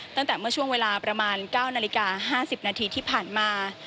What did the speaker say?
ตั้งแต่เมื่อช่วงเวลาประมาณ๙นาฬิกา๕๐นาทีที่ผ่านมา